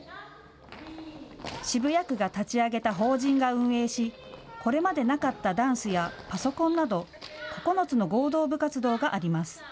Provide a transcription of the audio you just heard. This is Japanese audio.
渋谷区が立ち上げた法人が運営しこれまでなかったダンスやパソコンなど９つの合同部活動があります。